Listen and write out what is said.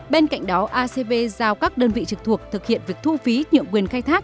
bên cạnh đó acv giao các đơn vị trực thuộc thực hiện việc thu phí nhượng quyền khai thác